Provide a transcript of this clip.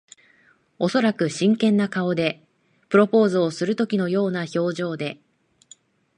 おそらく真剣な顔で。プロポーズをするときのような表情で。